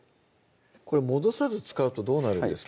これ戻さず使うとどうなるんですか？